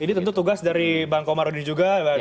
ini tentu tugas dari bang komarudin juga